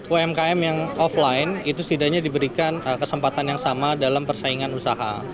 umkm yang offline itu setidaknya diberikan kesempatan yang sama dalam persaingan usaha